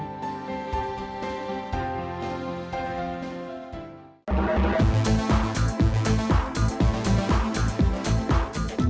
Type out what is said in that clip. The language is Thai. โปรดติดตามตอนต่อไป